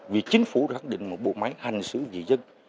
vì chính phủ đoán định một bộ máy hành sử dị dân